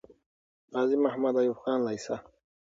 غازي محمد ايوب خان لیسه